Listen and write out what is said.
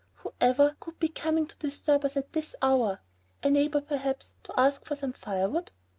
Whoever could be coming to disturb us at this hour? A neighbor perhaps to ask for some firewood.